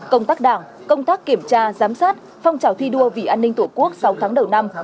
công tác đảng công tác kiểm tra giám sát phong trào thi đua vì an ninh tổ quốc sáu tháng đầu năm